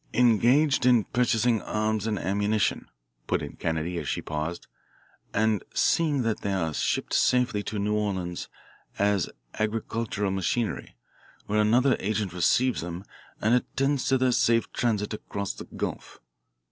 "Engaged in purchasing arms and ammunition," put in Kennedy, as she paused, "and seeing that they are shipped safely to New Orleans as agricultural machinery, where another agent receives them and attends to their safe transit across the Gulf."